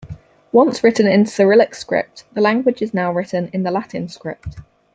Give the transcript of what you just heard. Once written in Cyrillic script, the language is now written in the Latin script.